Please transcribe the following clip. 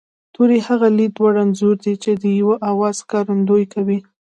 توری هغه لید وړ انځور دی چې د یوه آواز ښکارندويي کوي